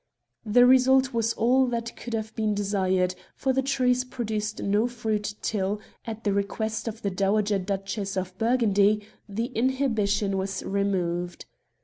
The result was all that could have been desired, for the trees produced no fruit till, at the request of the Dowager Duchess of Burgundy, the inhibition was removed.